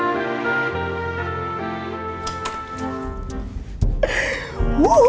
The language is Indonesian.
aku ngerti ra